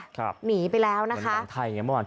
หนีไปแล้วนะคะ